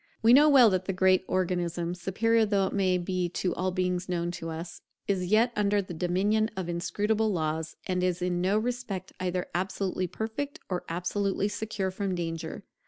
We know well that the great Organism, superior though it be to all beings known to us, is yet under the dominion of inscrutable laws, and is in no respect either absolutely perfect or absolutely secure from danger.